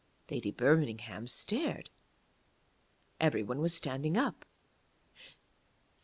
Lady Birmingham stared. Everyone was standing up.